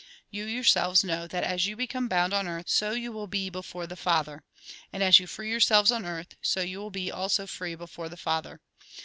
" You yourselves know that as you become bound on earth, so you will be before the Father. And as you free yourselves on earth, so you will be also free before the Father.